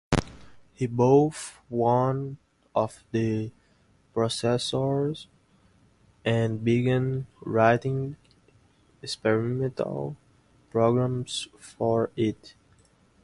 He bought one of the processors and began writing experimental programs for it.